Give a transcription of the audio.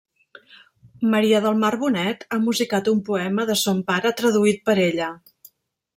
Maria del Mar Bonet ha musicat un poema de son pare traduït per ella.